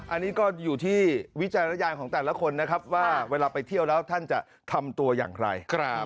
อันนี้ก็อยู่ที่วิจารณญาณของแต่ละคนนะครับว่าเวลาไปเที่ยวแล้วท่านจะทำตัวอย่างไร